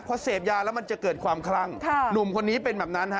พอเสพยาแล้วมันจะเกิดความคลั่งหนุ่มคนนี้เป็นแบบนั้นฮะ